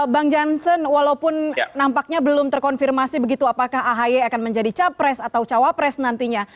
bang jansen walaupun nampaknya belum terkonfirmasi begitu apakah ahy akan menjadi capres atau cawapres nantinya